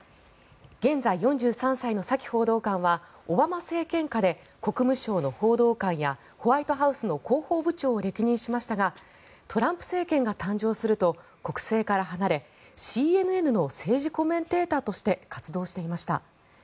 現在４３歳のサキ報道官はオバマ政権下で国務省の報道官やホワイトハウスの広報部長を歴任しましたがトランプ政権が誕生すると国政から離れＣＮＮの政治コメンテーターとして活動していました。